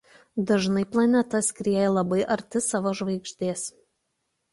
Dažnai planeta skrieja labai arti savo žvaigždės.